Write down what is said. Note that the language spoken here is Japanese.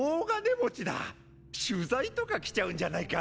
取材とか来ちゃうんじゃないか？